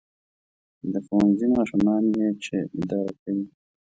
• د ښوونځي ماشومان یې چې اداره کوي.